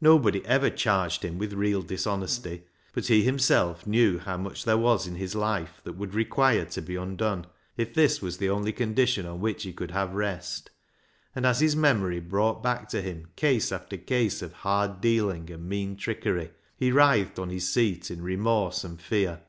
Nobody ever charged him with real dishonesty, but he himself knew how much there was in his life that would require to be undone, if this was the only condition on which he could have rest ; and as his memory brought back to him case after case of hard dealing and mean trickery, he writhed on his seat in remorse and fear.